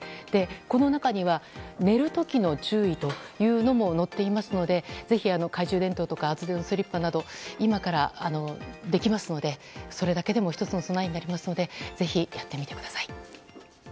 この中には寝る時の注意も載っていますので懐中電灯とか厚手のスリッパなど今からできますのでそれだけでも１つの備えになりますのでぜひやってみてください。